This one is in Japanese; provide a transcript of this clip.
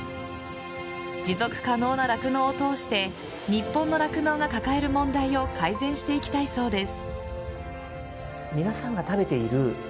持続可能な酪農を通して日本の酪農が抱える問題を改善していきたいそうです。